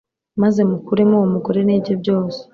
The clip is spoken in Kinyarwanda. maze mukuremo uwo mugore n'ibye byose